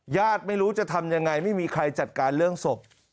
ญาติไม่รู้จะทำยังไงไม่มีใครจัดการเรื่องศพ